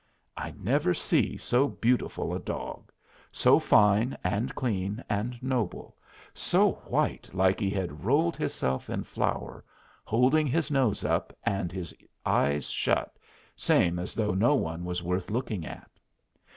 I never see so beautiful a dog so fine and clean and noble, so white like he had rolled hisself in flour, holding his nose up and his eyes shut, same as though no one was worth looking at.